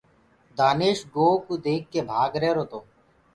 دآيش گو ڪوُ ديک ڪي ڀآگ رهيرو تو۔